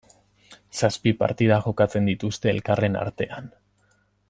Zazpi partida jokatzen dituzte elkarren artean.